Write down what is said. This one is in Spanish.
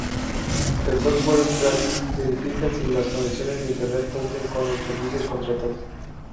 El software gratis verifica si las conexiones de internet cumplen con los servicios contratados.